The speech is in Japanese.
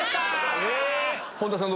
本田さん